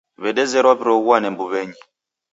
W'edezerwa w'iroghuane mbuw'enyi.